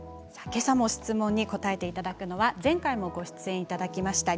けさも質問に答えていただくのは前回もご出演いただきました